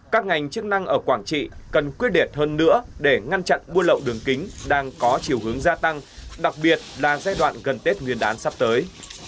các ngành chức năng ở quảng trị cần quyết đẹp hơn nữa để ngăn chặn buôn lậu đường kính đang có chiều hướng gia tăng đặc biệt là giai đoạn gần tết nguyên đán sắp tới